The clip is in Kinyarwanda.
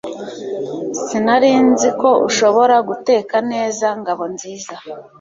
Sinari nzi ko ushobora guteka neza Ngabonziza